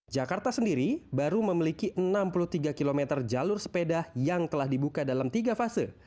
jakarta sendiri baru memiliki enam puluh tiga km jalur sepeda yang telah dibuka dalam tiga fase